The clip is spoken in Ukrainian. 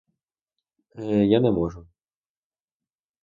Е, я не можу.